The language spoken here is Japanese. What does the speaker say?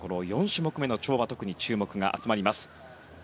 ４種目目の跳馬特に注目が集まります。